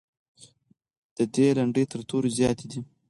د دې لنډۍ تر تورې زیاتې وې.